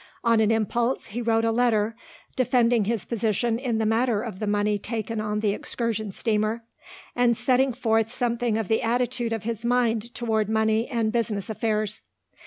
On an impulse, he wrote a letter, defending his position in the matter of the money taken on the excursion steamer and setting forth something of the attitude of his mind toward money and business affairs.